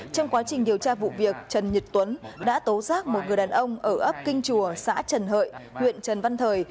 trong quá trình điều tra vụ việc trần nhật tuấn đã tố giác một người đàn ông ở ấp kinh chùa xã trần hợi huyện trần văn thời